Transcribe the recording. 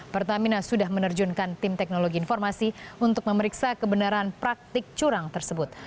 pertamina sudah menerjunkan tim teknologi informasi untuk memeriksa kebenaran praktik curang tersebut